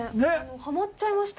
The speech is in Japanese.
はまっちゃいました。